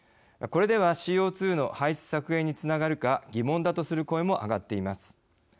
これではＣＯ２の排出削減につながるか疑問だとする声も上がっています。